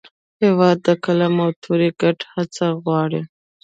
هېواد د قلم او تورې ګډه هڅه غواړي.